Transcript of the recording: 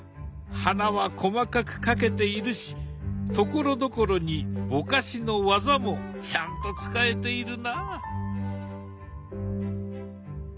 花は細かく描けているしところどころにぼかしの技もちゃんと使えているな。